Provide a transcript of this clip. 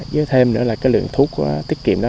với thêm nữa là cái lượng thuốc tiết kiệm đó